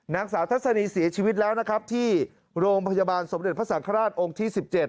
นางสาวทัศนีเสียชีวิตแล้วนะครับที่โรงพยาบาลสมเด็จพระสังฆราชองค์ที่๑๗